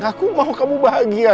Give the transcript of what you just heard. aku mau kamu bahagia